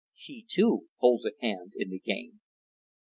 "She, too, holds a hand in the game!"